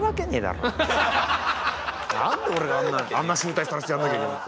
なんで俺があんな醜態さらしてやらなきゃいけない。